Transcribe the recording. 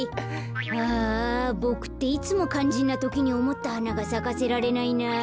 ああボクっていつもかんじんなときにおもったはながさかせられないな。